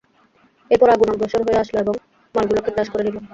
এরপর আগুন অগ্রসর হয়ে আসল এবং মালগুলোকে গ্রাস করে নিল।